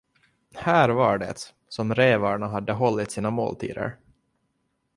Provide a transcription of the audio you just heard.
Här var det, som rävarna hade hållit sina måltider.